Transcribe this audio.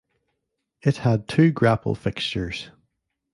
It had two grapple fixtures.